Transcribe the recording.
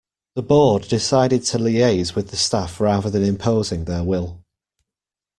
The board decided to liaise with the staff rather than imposing their will.